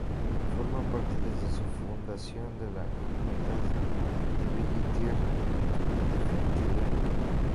Forma parte desde su fundación de la Comunidad de Villa y Tierra de Fuentidueña.